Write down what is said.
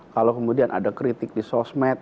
kalau kemudian ada kritik di sosmed